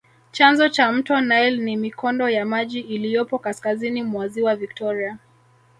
Chanzo cha mto nile ni mikondo ya maji iliyopo kaskazini mwa ziwa Victoria